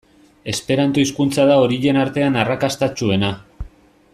Esperanto hizkuntza da horien artean arrakastatsuena.